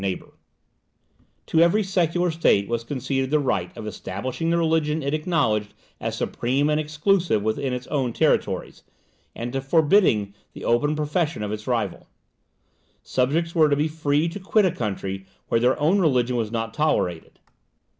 ] To every secular state was conceded the right of establishing the religion it acknowledged as supreme and exclusive within its own territories, and of forbidding the open profession of its rival. Subjects were to be free to quit a country where their own religion was not tolerated.